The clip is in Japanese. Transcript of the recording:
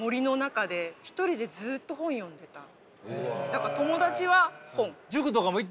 だから友達は本。